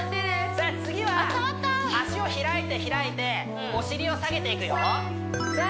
次は足を開いて開いてお尻を下げていくよさあ